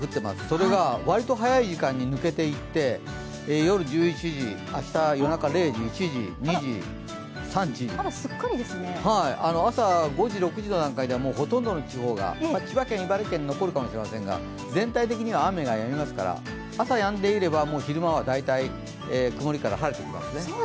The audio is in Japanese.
それがわりと早い時間に抜けていって夜１１時、明日、夜中、０時、１時、３時朝５時、６時の段階ではほとんどの地方で千葉県、茨城県残るかもしれませんが全体的には雨がやんでますから朝やんでいれば、もう昼間は大体曇りから晴れてきますね。